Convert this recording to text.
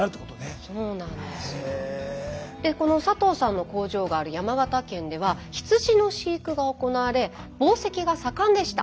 この佐藤さんの工場がある山形県では羊の飼育が行われ紡績が盛んでした。